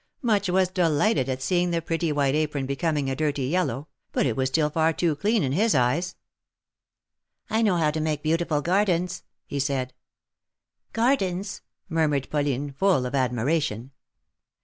Much was delighted at seeing the pretty white apron becoming a dirty yellow, but it was still far too clean in his eyes. " I know how to make beautiful gardens," he said. Gardens !" murmured Pauline, full of admiration.